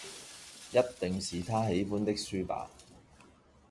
一定是他喜歡的書吧！